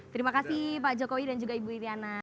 terima kasih pak jokowi dan juga ibu iryana